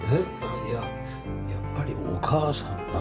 いややっぱり「お母さん」だな。